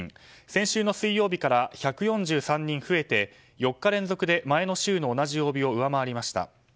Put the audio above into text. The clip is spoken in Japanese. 先週の水曜日から１４３人増えて４日連続で前の週の同じ曜日を上回りました。